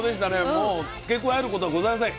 もう付け加えることございません。